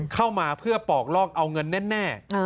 เข้ามาเพื่อปอกลอกเอาเงินแน่